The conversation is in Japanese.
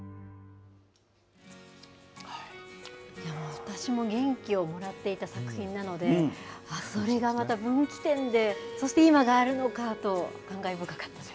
私も元気をもらっていた作品なので、それがまた分岐点で、そして今があるのかと感慨深かったです。